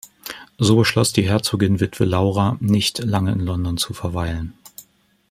So beschloss die Herzoginwitwe Laura, nicht lange in London zu verweilen.